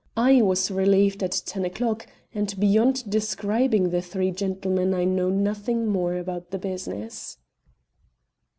I was relieved at ten o'clock, and beyond describing the three gentlemen, I know nothing more about the business."